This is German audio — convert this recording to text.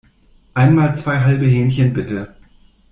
Einmal zwei halbe Hähnchen, bitte!